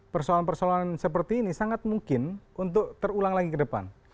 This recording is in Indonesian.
persoalan persoalan seperti ini sangat mungkin untuk terulang lagi ke depan